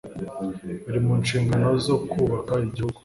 biri mu nshingano zo kubaka igihugu,